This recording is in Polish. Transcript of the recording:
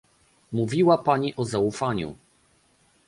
Mówiła Pani o zaufaniu